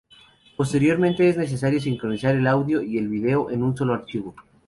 Posteriormente es necesario sincronizar el audio y el vídeo en un solo archivo.